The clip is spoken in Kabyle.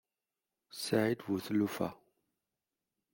Saεid bu tlufa.